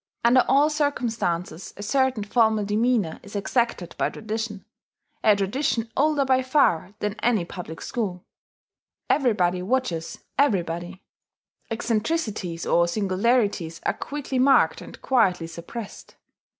Under all circumstances, a certain formal demeanour is exacted by tradition, a tradition older by far than any public school. Everybody watches everybody: eccentricities or singularities are quickly marked and quietly suppressed.